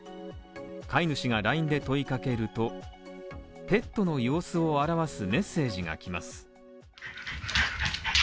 飼い主がＬＩＮＥで問いかけると、ペットの様子を表すメッセージが来ます。